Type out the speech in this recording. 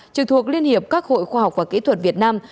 trực thuộc liên hiệp các hội khoa học và kỹ thuật việt nam